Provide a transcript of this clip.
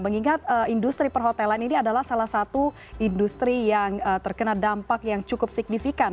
mengingat industri perhotelan ini adalah salah satu industri yang terkena dampak yang cukup signifikan